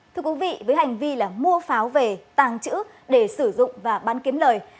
thưa quý vị với hành vi mua pháo về tàng chữ để sử dụng và bán kiếm lời